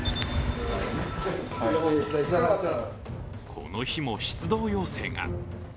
この日も出動要請が。